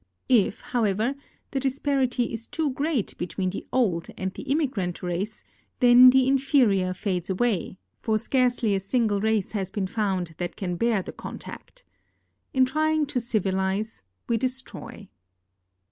If, how ever, the disparity is too great between the old and tlic inniii grant race, then the inferior fades away, for scarcely a single race has been found that can bear the contact. In trying to civilize we destroy.